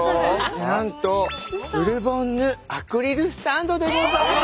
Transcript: なんとブルボンヌアクリルスタンドでございます！